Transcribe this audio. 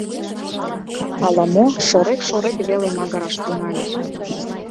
«Ала-мо» шорек-шорек веле магыраш тӱҥале.